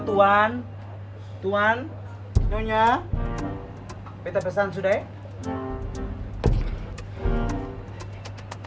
tuhan tuhan tuhan saya pesan sudah ya